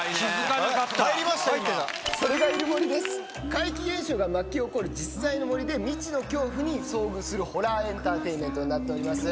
怪奇現象が巻き起こる実在の森で未知の恐怖に遭遇するホラーエンターテインメントになっております。